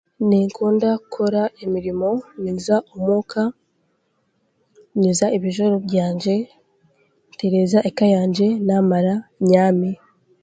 Ninkunda kukora emirimo, ninza omuuka, nyoza ebijwaro byangye ntereeza eka yangye naamara nyaame